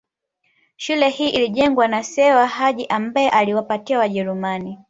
Shule hii ilijengwa na Sewa Haji ambaye aliwapatia Wajerumani